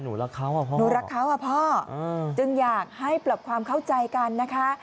รักเขาอ่ะพ่อหนูรักเขาอ่ะพ่อจึงอยากให้ปรับความเข้าใจกันนะคะ